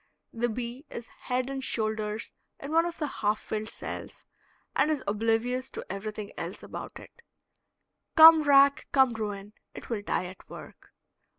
The bee is head and shoulders in one of the half filled cells, and is oblivious to everything else about it. Come rack, come ruin, it will die at work.